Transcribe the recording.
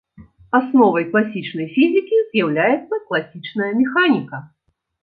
Асновай класічнай фізікі з'яўляецца класічная механіка.